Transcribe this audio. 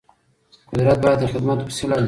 قدرت باید د خدمت وسیله وي